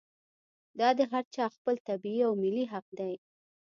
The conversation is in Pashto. دا د هر چا خپل طبعي او ملي حق دی.